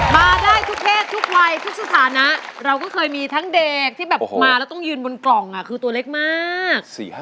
มาได้ทุกเพศทุกวัยทุกสถานะเราก็เคยมีทั้งเด็กที่แบบมาแล้วต้องยืนบนกล่องคือตัวเล็กมาก